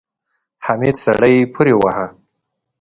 حميد سړی پورې واهه.